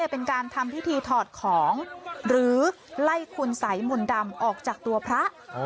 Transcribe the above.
เป็นการทำพิธีถอดของหรือไล่คุณสัยมนต์ดำออกจากตัวพระ